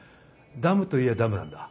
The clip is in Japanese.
ダムといやダムなんだ。